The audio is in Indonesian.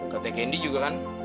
katanya candy juga kan